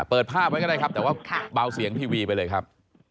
เปิดภาพไว้ก็ได้ครับแต่ว่าเบาเสียงทีวีไปเลยครับ